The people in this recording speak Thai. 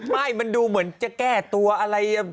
ไม่มันดูเหมือนจะแก้ตัวอะไร